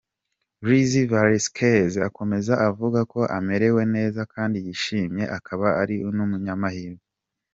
Lizzie Velasquez akomeza avuga ko amerewe neza kandi yishimye, akaba ari n’umunyamahirwe.